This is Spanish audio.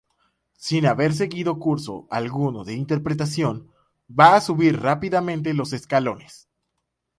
Sin haber seguido curso alguno de interpretación va a subir rápidamente los escalones.